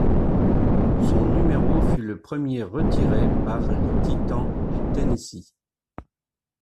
Son numéro fut le premier retirer par les Titans du Tennessee.